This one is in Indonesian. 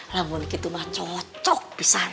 namun gitu mah cocok pisan